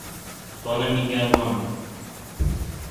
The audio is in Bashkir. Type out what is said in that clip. Быны мин яҙманым.